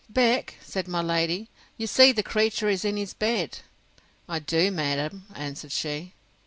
Beck, said my lady, you see the creature is in his bed. I do, madam, answered she.